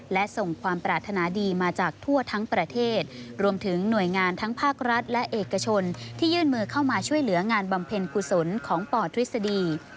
และส่งความปรารถนาดีมาจากทั่วทั้งประเทศรวมถึงหน่วยงานทั้งภาครัฐและเอกชนที่ยื่นมือเข้ามาช่วยเหลืองานบำเพ็ญกุศลของปทฤษฎี